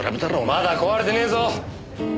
まだ壊れてねえぞ！